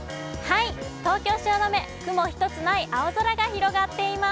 東京・汐留、雲一つない青空が広がっています。